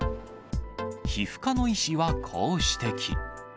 皮膚科の医師はこう指摘。